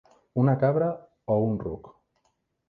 Una cabra o un ruc?